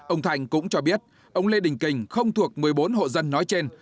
ông thành cũng cho biết ông lê đình kình không thuộc một mươi bốn hộ dân nói trên